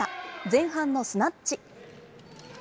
前半のスナッチ。